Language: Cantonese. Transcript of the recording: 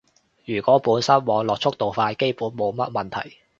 如果本身網絡速度快，基本上冇乜問題